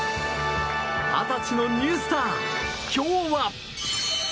二十歳のニュースター、今日は？